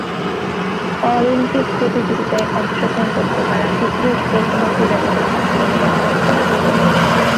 Olympic প্রতিযোগিতায় অংশগ্রহণ করতে পারা পৃথিবীর যে কোন ক্রীড়াবিদের কাছেই অত্যন্ত গৌরবের।